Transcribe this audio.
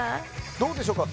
どうでしょうか？